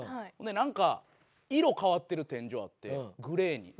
なんか色変わってる天井あってグレーに。